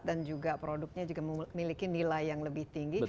dan juga produknya juga memiliki nilai yang lebih tinggi